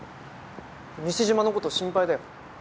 西島の事心配だよ。